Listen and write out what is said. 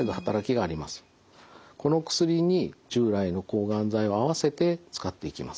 この薬に従来の抗がん剤を合わせて使っていきます。